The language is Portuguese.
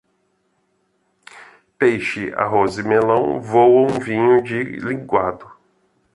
Peixe, arroz e melão voam vinho de linguado.